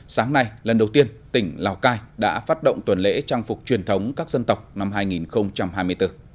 sáng nay lần đầu tiên tỉnh lào cai đã phát động tuần lễ trang phục truyền thống các dân tộc năm hai nghìn hai mươi bốn